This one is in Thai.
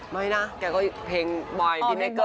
ไม่นะเขาก็เพลงบอยพี่แมคเกอร์